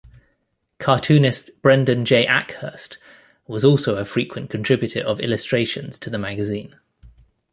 Cartoonist Brendan J Ackhurst was also a frequent contributor of illustrations to the magazine.